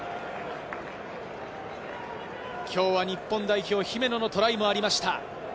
今日は日本代表、姫野のトライもありました。